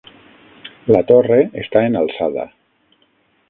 La torre està en alçada.